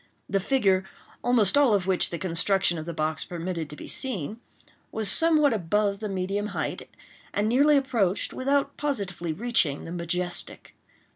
The figure, almost all of which the construction of the box permitted to be seen, was somewhat above the medium height, and nearly approached, without positively reaching, the majestic.